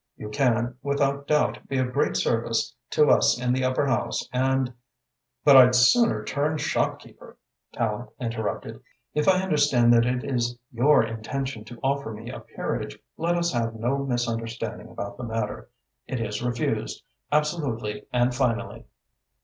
You can, without doubt, be of great service to us in the Upper House and " "But I'd sooner turn shopkeeper!" Tallente interrupted. "If I understand that it is your intention to offer me a peerage, let us have no misunderstanding about the matter. It is refused, absolutely and finally."